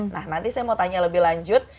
nah nanti saya mau tanya lebih lanjut